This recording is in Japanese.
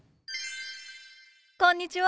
こんにちは。